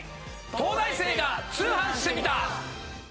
『東大生が通販してみた！！』。